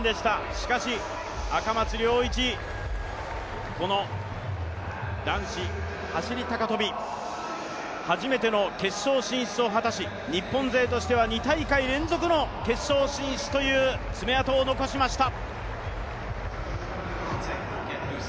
しかし、赤松諒一、この男子走高跳、初めての決勝進出を果たし日本勢としては２大会連続の決勝進出という爪痕を残しました。